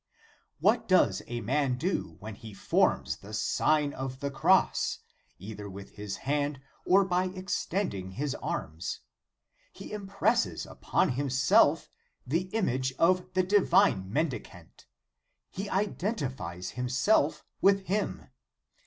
* What does a man do when he forms the Sign of the Cross, either with his hand, or by extending his arms? He impresses upon himself the image of the Divine Mendicant; he identifies himself with Him.